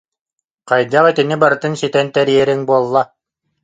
Хайдах итини барытын ситэн тэрийэриҥ буолла!